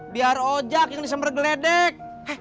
biar ojak yang disembergeledek